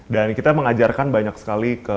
dan kita mengajarkan banyak sekali